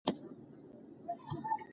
که وخت برابر شي، سفر به وکړو.